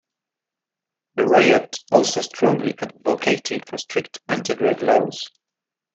Berejot also strongly advocated for strict anti-drug laws.